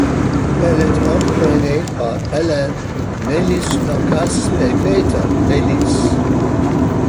Elle est entraînée par Helen Nelis-Naukas et Peeter Nelis.